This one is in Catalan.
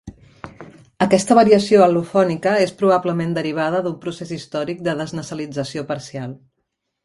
Aquesta variació al·lofònica és probablement derivada d'un procés històric de desnassalització parcial.